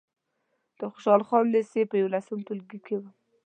د خوشحال خان لېسې په یولسم ټولګي کې وم.